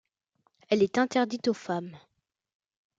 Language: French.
Elle est interdite aux femmes.